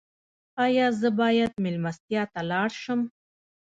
ایا زه باید میلمستیا ته لاړ شم؟